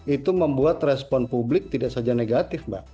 itu membuat respon publik tidak saja negatif mbak